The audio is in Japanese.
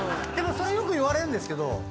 それよく言われるんですけど